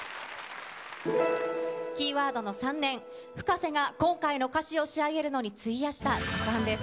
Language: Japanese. キーワードの３年、Ｆｕｋａｓｅが今回の歌詞を仕上げるのに費やした時間です。